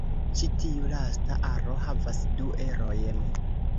Ĉi tiu lasta aro havas du erojn.